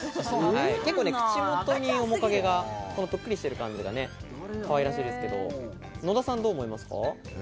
結構口元に面影が、このぷっくりしてる感じがね可愛らしいですけど、野田さんどう思いますか？